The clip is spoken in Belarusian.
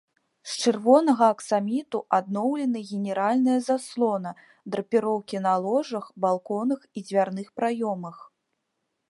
З чырвонага аксаміту адноўлены генеральная заслона, драпіроўкі на ложах, балконах і дзвярных праёмах.